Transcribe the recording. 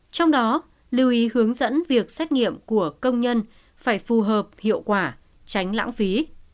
trong đó lưu ý hướng dẫn việc xét nghiệm của công nhân phải phù hợp hiệu quả tránh lãng phí